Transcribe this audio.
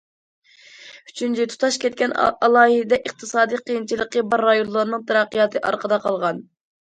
ئۈچىنچى، تۇتاش كەتكەن ئالاھىدە ئىقتىسادىي قىيىنچىلىقى بار رايونلارنىڭ تەرەققىياتى ئارقىدا قالغان.